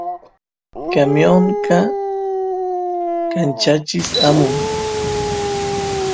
camionqa kanchachis amun